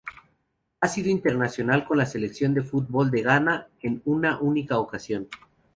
Ha sido internacional con la Selección de fútbol de Ghana en una única ocasión.